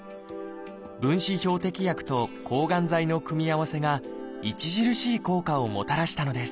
分子標的薬と抗がん剤の組み合わせが著しい効果をもたらしたのです。